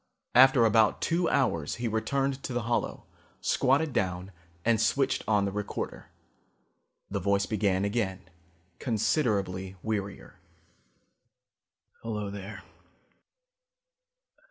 After about two hours he returned to the hollow, squatted down and switched on the recorder. The voice began again, considerably wearier. "Hello there.